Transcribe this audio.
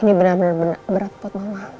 ini benar benar berat buat mama